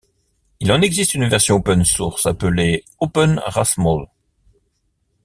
Il en existe une version open source appelée OpenRasMol.